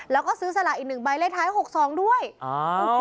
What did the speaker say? แล้วก็ซื้อสลากอีกหนึ่งใบเลขท้ายหกสองด้วยอ่า